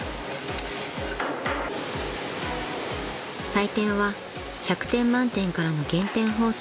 ［採点は１００点満点からの減点方式］